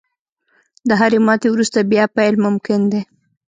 • د هرې ماتې وروسته، بیا پیل ممکن دی.